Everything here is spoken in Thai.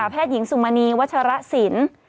แพทยิงศุมนีวัชรสินทร์